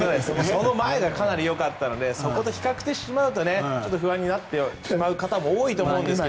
その前がかなりよかったのでそこと比較してしまうと不安になってしまう方も多いと思うんですが。